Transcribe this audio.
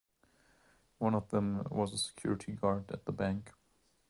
One of them was a security guard at the bank.